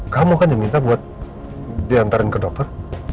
kamu kan yang minta buat diantarin ke dokter